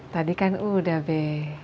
tadi kan udah be